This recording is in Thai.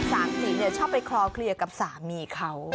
สามสีเนี่ยชอบไปคลอเคลียร์กับสามีเขา